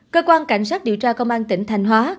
cơ quan cảnh sát điều tra công an tỉnh thành hóa